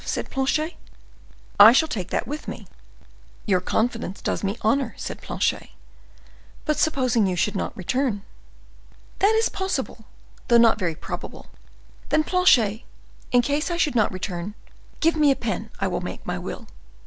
said Planchet. "I shall take that with me." "Your confidence does me honor," said Planchet: "but supposing you should not return?" "That is possible, though not very probable. Then, Planchet, in case I should not return—give me a pen; I will make my will."